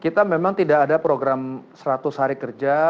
kita memang tidak ada program seratus hari kerja